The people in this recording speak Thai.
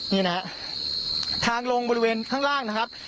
นี่นะฮะทางลงบริเวณข้างล่างนะครับ